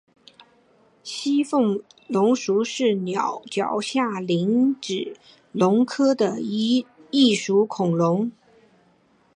西风龙属是鸟脚下目棱齿龙科的一属恐龙。